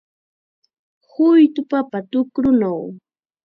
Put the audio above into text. Huytu papa tukrunaw